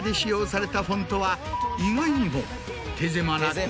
意外にも。